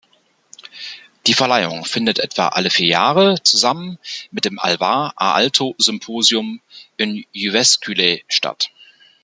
Die Verleihung findet etwa alle vier Jahre zusammen mit dem Alvar-Aalto-Symposium in Jyväskylä statt.